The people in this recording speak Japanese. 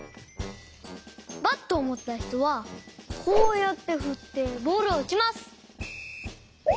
バットをもったひとはこうやってふってボールをうちます。